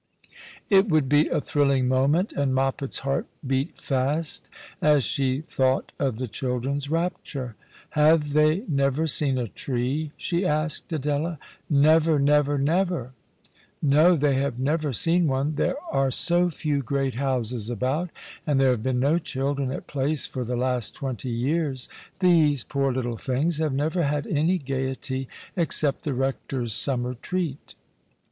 It would be a thrilling moment, and Moppet's heart beat fast as she thought of the children's rapture. " Have they never seen a tree ?" she asked Adela —" never, never, never ?" "No, they have never seen one. There are so few great houses about; and there have been no children at Place for the last twenty years. These poor little things have never had any gaiety, except the rector's summer treat."